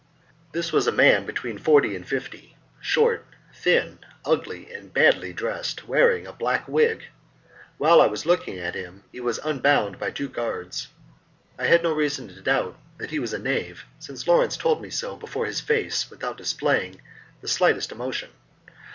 This was a man between forty and fifty, short, thin, ugly, and badly dressed, wearing a black wig; while I was looking at him he was unbound by two guards. I had no reason to doubt that he was a knave, since Lawrence told me so before his face without his displaying the slightest emotion.